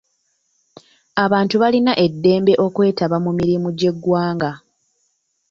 Abantu balina eddembe okwetaba mu mirimu gy'eggwanga.